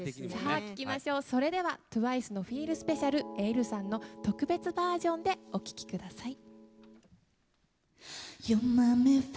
それでは ＴＷＩＣＥ の「ＦｅｅｌＳｐｅｃｉａｌ」ｅｉｌｌ さんの特別バージョンでお聴きください。